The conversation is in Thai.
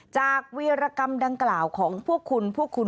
วีรกรรมดังกล่าวของพวกคุณพวกคุณ